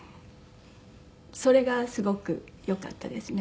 それがすごく良かったですね。